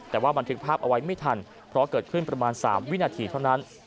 แต่ว่าบันทึกภาพเอาไว้ไม่ทันเพราะเกิดขึ้นประมาณ๓วินาทีเท่านั้น